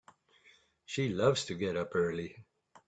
She loves to get up early.